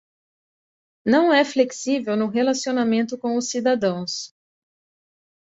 Não é flexível no relacionamento com os cidadãos.